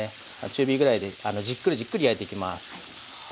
中火ぐらいでじっくりじっくり焼いていきます。